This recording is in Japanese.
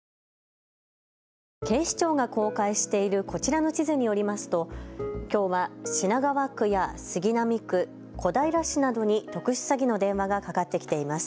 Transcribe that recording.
警視庁が公開しているこちらの地図によりますときょうは品川区や杉並区、小平市などに特殊詐欺の電話がかかってきています。